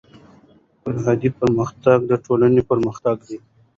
فردي پرمختګ د ټولنې پرمختګ دی.